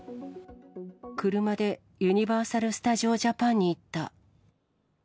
車でユニバーサル・スタジオ・ジャパンに行った。